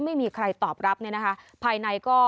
ไม่มีใครตอบรับภายในก็